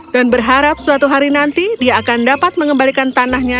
dan berharap suatu hari nanti dia akan dapat mengembalikan tanahnya